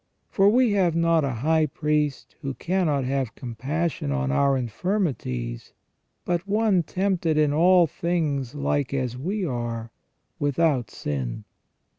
For we have not a high priest who cannot have compassion on our infirmities, but one tempted in all things like as we are, without sin."